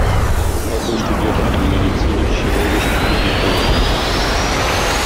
Otto studierte am Medicinisch-chirurgischen Friedrich-Wilhelm-Institut.